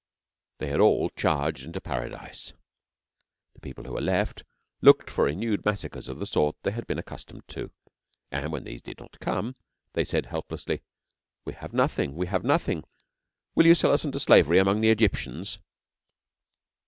They had all charged into Paradise. The people who were left looked for renewed massacres of the sort they had been accustomed to, and when these did not come, they said helplessly: 'We have nothing. We are nothing. Will you sell us into slavery among the Egyptians?'